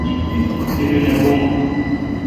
تیپہ نہ بھو۔